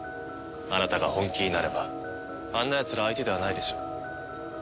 あなたが本気になればあんなやつら相手ではないでしょう。